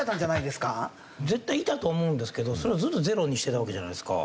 絶対いたと思うんですけどそれをずっとゼロにしてたわけじゃないですか。